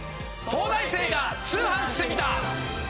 『東大生が通販してみた！！』